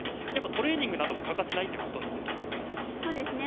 トレーニングなども欠かせないということなんですね。